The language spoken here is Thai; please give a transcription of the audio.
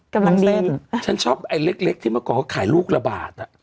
กำลังเล่นฉันชอบไอ้เล็กเล็กที่เมื่อก่อนเขาขายลูกละบาทอ่ะ